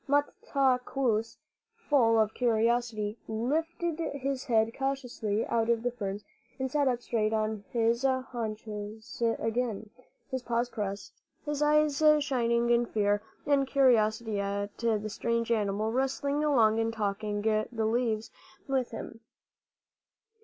Moktaques, full of curiosity, lifted his head cautiously out of the ferns and sat up straight on his haunches again, his paws crossed, his eyes shining in fear and curiosity at the strange animal rustling along and taking the leaves with him.